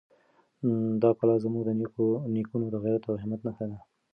دا کلا زموږ د نېکونو د غیرت او همت نښه ده.